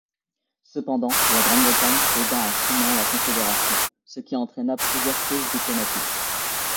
Cependant la Grande-Bretagne aida en sous-main la Confédération, ce qui entraîna plusieurs crises diplomatiques.